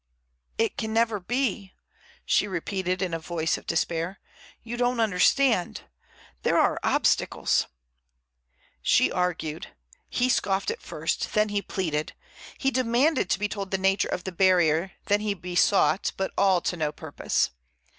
"It can never be," she repeated in a voice of despair. "You don't understand. There are obstacles." She argued. He scoffed first, then he pleaded. He demanded to be told the nature of the barrier, then he besought, but all to no purpose.